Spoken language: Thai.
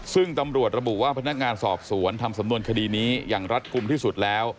ซึ่งตำรวจระบุว่าพนักงานสอบสวนทำสำนวนคดีนี้อย่างรัฐกลุ่มที่สุดแล้ว